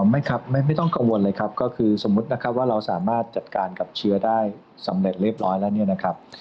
ไม่ครับไม่ต้องกังวลเลยครับก็คือสมมุตินะครับว่าเราสามารถจัดการกับเชื้อได้สำเร็จเรียบร้อยแล้วเนี่ยนะครับ